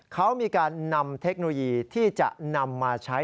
เขามีการนำเทคโนโลยีที่จะนำมาใช้